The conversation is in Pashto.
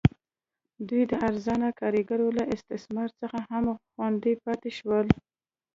دوی د ارزانه کارګرو له استثمار څخه هم خوندي پاتې شول.